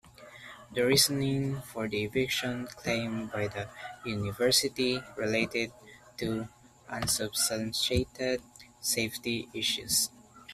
The reasoning for the eviction claimed by the university related to unsubstantiated safety issues.